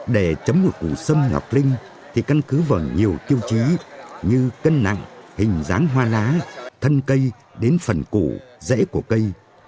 để chấm một cụ sâm ngọc linh thì căn cứ vần nhiều tiêu chí như cân nặng hình dáng hoa lá thân cây đến phần cụ rễ của cây